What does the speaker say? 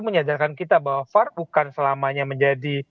menyadarkan kita bahwa var bukan selamanya menjadi